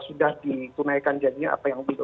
sudah ditunaikan janjinya apa yang belum